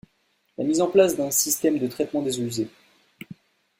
La mise en place d’un système de traitement des eaux usées